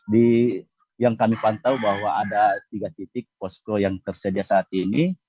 di yang kami pantau bahwa ada tiga titik posko yang tersedia saat ini